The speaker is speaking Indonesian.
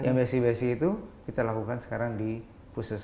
yang basic basic itu kita lakukan sekarang di pusat semestinya